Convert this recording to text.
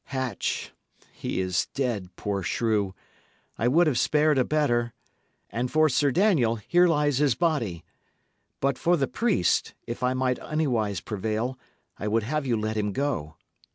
Hatch he is dead, poor shrew! I would have spared a better; and for Sir Daniel, here lies his body. But for the priest, if I might anywise prevail, I would have you let him go."